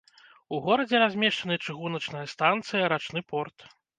У горадзе размешчаны чыгуначная станцыя, рачны порт.